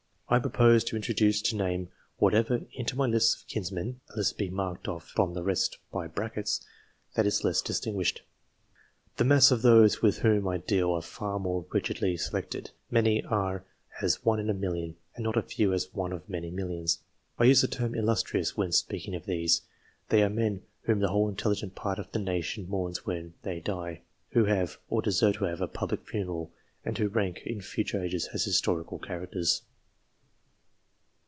I propose to introduce no name whatever into my lists of kinsmen (unless it be marked off from the rest by brackets ) that is less distin guished. The mass of those with whom I deal are far more rigidly selected many are as one in a million, and not a few as one of many millions. I use the term " illus trious " when speaking of these. They are men whom the whole intelligent part of the nation mourns when they die ; who have, or deserve to have, a public funeral ; and who rank in future ages as historical characters.